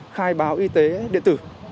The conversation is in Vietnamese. khai báo y tế điện tử